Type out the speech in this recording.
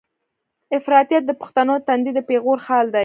افراطيت د پښتنو د تندي د پېغور خال دی.